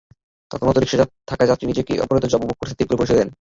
তখন অটোরিকশায় থাকা যাত্রী নিজেকে অপহূত আবু বকর সিদ্দিক বলে পরিচয় দেন।